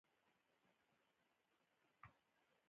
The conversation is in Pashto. زه اوس به هوایی ډګر کی ستا انتظار کوم.